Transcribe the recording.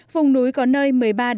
vùng núi có nơi một mươi ba